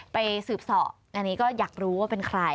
ไปสืบศพก็อยากรู้ว่าเป็นใคร